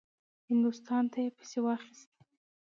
هندوستان ته یې پسې واخیست.